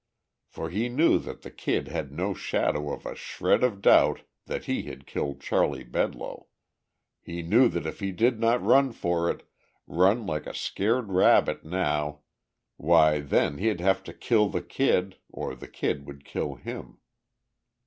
For he knew that the Kid had no shadow of a shred of doubt that he had killed Charley Bedloe, he knew that if he did not run for it, run like a scared rabbit now, why then he'd have to kill the Kid or the Kid would kill him.